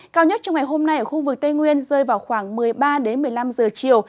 cao nhất trong ngày hôm nay ở khu vực tây nguyên rơi vào khoảng một mươi ba một mươi năm giờ chiều